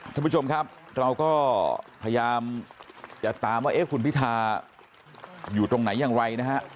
ท่านผู้ชมครับเราก็พยายามจะตามว่าเอ๊ะคุณพิธาอยู่ตรงไหนอย่างไรนะฮะ